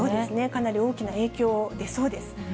かなり大きな影響、出そうです。